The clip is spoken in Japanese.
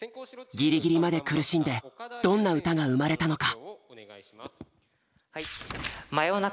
ギリギリまで苦しんでどんな歌が生まれたのか。